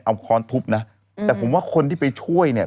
เอาค้อนทุบนะแต่ผมว่าคนที่ไปช่วยเนี่ย